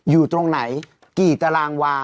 อยู่ตรงไหนกี่ตารางวา